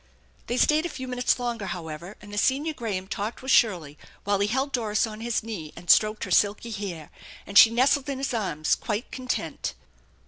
They stayed a few minutes longer, however, and the senior Granam talked with Shirley while he held Doris on his knee and stroked her silky hair, and she nestled in his arms quite content.